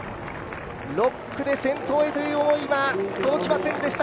６区で先頭へという思いは届きませんでした。